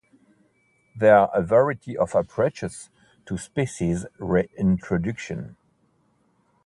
There are a variety of approaches to species reintroduction.